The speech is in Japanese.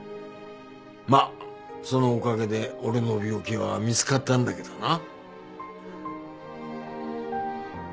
まっそのおかげで俺の病気は見つかったんだけどな。